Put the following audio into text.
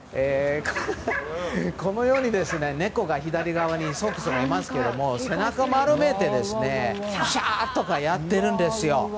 このように猫のソックスが左側にいますけども背中を丸めてシャーッ！とかやってるんですよ。